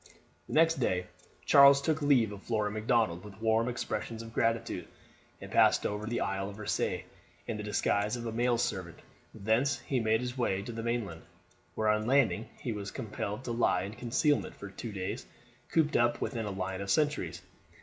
The next day Charles took leave of Flora Macdonald with warm expressions of gratitude, and passed over to the Isle of Rasay, in the disguise of a male servant. Thence he made his way to the mainland, where on landing he was compelled to lie in concealment for two days cooped up within a line of sentries.